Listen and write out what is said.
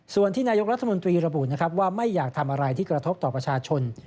ส่วนที่นายกรัฐมนตรีระบุนะครับว่าไม่อยากทำอะไรที่กระทบต่อประชาชน